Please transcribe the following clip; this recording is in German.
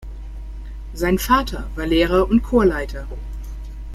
Sein Vater war Lehrer und Chorleiter.